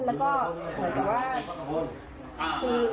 แล้วก็เหมือนกันว่า